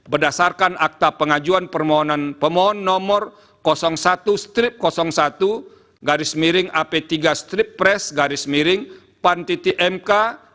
berdasarkan akta pengajuan permohonan pemohon nomor satu satu ap tiga pres pan t mk tiga dua ribu dua puluh empat